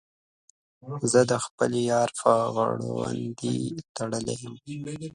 زه د خپل یار په غړوندي تړلی یم.